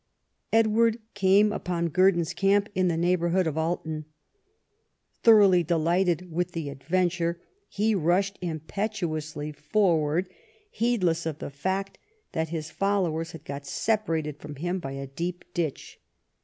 Edward came upon Gurdon's camp in the neighbourhood of Alton. Thoroughly delighted with the adventure, he rushed impetuously for ward, heedless of the fact that his followers had got separ ated from him by a deep ditch.